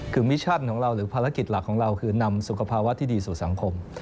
คือมิชั่นของเราหรือภารกิจหลักของเราคือนำสุขภาวะที่ดีสู่สังคม